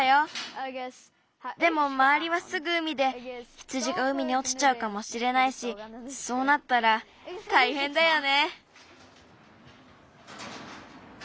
でもまわりはすぐうみで羊がうみにおちちゃうかもしれないしそうなったらたいへんだよね！